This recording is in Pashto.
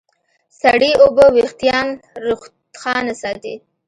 سړې اوبه وېښتيان روښانه ساتي.